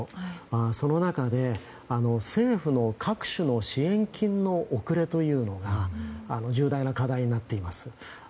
その中で、政府の各種の支援金の遅れというのが重大な課題になっています。